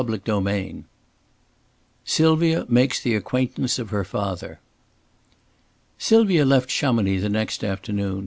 CHAPTER IX SYLVIA MAKES THE ACQUAINTANCE OF HER FATHER Sylvia left Chamonix the next afternoon.